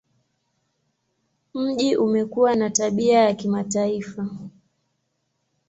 Mji umekuwa na tabia ya kimataifa.